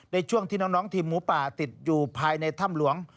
ในช่วงที่น้องทีมหมูป่าติดอยู่ภายในถ้ำหลวง